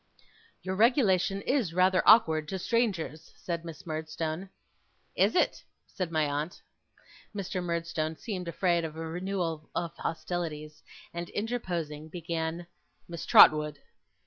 'Your regulation is rather awkward to strangers,' said Miss Murdstone. 'Is it!' said my aunt. Mr. Murdstone seemed afraid of a renewal of hostilities, and interposing began: 'Miss Trotwood!